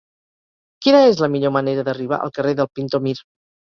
Quina és la millor manera d'arribar al carrer del Pintor Mir?